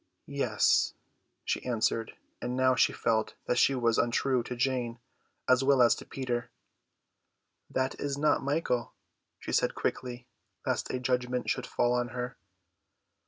"Yes," she answered; and now she felt that she was untrue to Jane as well as to Peter. "That is not Michael," she said quickly, lest a judgment should fall on her.